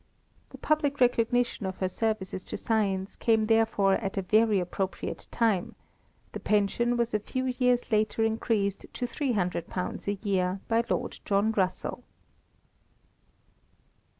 The public recognition of her services to science came therefore at a very appropriate time; the pension was a few years later increased to £300 a year by Lord John Russell.